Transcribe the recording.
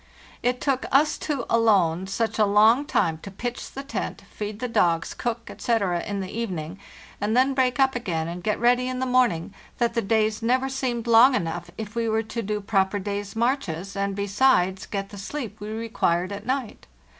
It took us two alone such a long time to pitch the tent, feed the dogs, cook, etc., in the evening, and then break up again and get ready in the morning, that the days never seemed long enough if we were to do proper day's marches, and, besides, get the sleep we required at night.